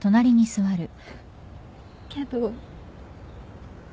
けど。